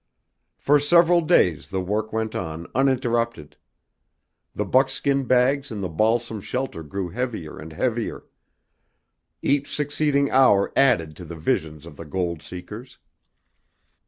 For several days the work went on uninterrupted. The buckskin bags in the balsam shelter grew heavier and heavier. Each succeeding hour added to the visions of the gold seekers.